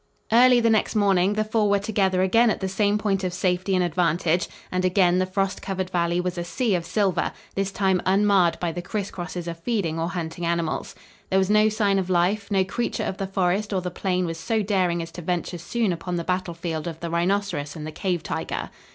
Early the next morning, the four were together again at the same point of safety and advantage, and again the frost covered valley was a sea of silver, this time unmarred by the criss crosses of feeding or hunting animals. There was no sign of life; no creature of the forest or the plain was so daring as to venture soon upon the battlefield of the rhinoceros and the cave tiger.